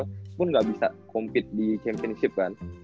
walaupun nggak bisa compete di championship kan